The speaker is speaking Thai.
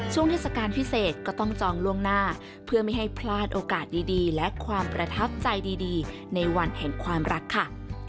เทศกาลพิเศษก็ต้องจองล่วงหน้าเพื่อไม่ให้พลาดโอกาสดีและความประทับใจดีในวันแห่งความรักค่ะ